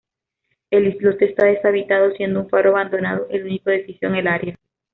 El islote está deshabitado, siendo un faro abandonado el único edificio en el área.